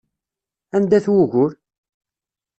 Anda-t wugur?